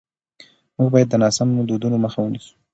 موږ باید د ناسم دودونو مخه ونیسو.